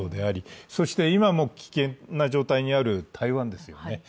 そして今も危険な状態にある台湾ですよね。